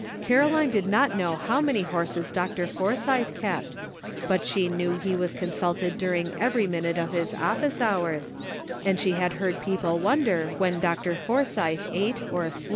Caroline did not know how many horses Dr. Forsythe kept, but she knew he was consulted during every minute of his office hours, and she had heard people won der when Dr. Forsythe ate or slept.